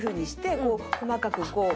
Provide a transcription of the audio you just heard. こう細かくこう。